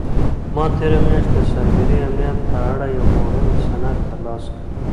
ما تېره میاشت د سایبري امنیت په اړه یو مهم سند ترلاسه کړ.